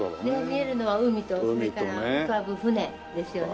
見えるのは海とそれから浮かぶ船ですよね。